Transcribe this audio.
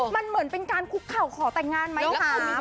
มันเหมือนเป็นการคุกเข่าขอต่ายงานไหมครับ